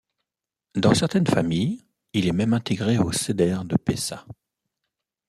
Dans certaines familles, il est même intégré au Seder de Pessah.